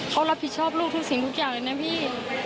เขารับผิดชอบลูกทุกสิ่งทุกอย่างเลยนะพี่